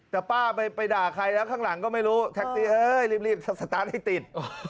แต่ป้าไปด่าใครแล้วข้างหลังก็ไม่รู้แท็กซี่เฮ้ยรีบสตาร์ทให้ติด